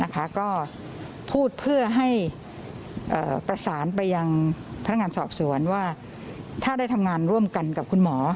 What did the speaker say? ก็พูดเพื่อให้ประสานไปยังพนักงานสอบสวนว่าถ้าได้ทำงานร่วมกันกับคุณหมอ